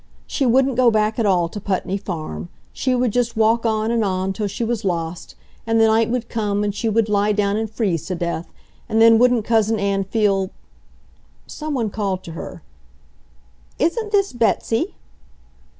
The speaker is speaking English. She wouldn't go back at all to Putney Farm. She would just walk on and on till she was lost, and the night would come and she would lie down and freeze to death, and then wouldn't Cousin Ann feel ... Someone called to her, "Isn't this Betsy?"